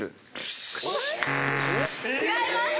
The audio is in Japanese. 違います！